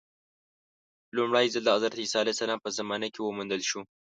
لومړی ځل د حضرت عیسی علیه السلام په زمانه کې وموندل شو.